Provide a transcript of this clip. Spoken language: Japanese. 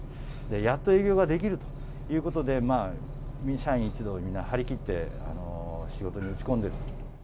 やっと営業ができるということで、社員一同、みんな張り切って仕事に打ち込んでる。